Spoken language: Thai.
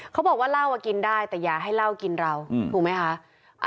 เขาบอกว่าเหล้ากินได้แต่อย่าให้เหล้ากินเราถูกไหมคะ